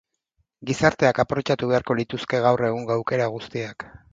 Gizarteak aprobetxatu beharko lituzke gaur egungo aukera guztiak.